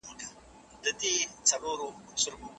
ایا ته غواړې چي د مرګ پر وخت ارمان لرې نه سې؟